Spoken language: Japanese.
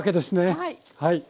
はい。